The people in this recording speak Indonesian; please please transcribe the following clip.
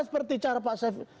seperti cara pak syafiq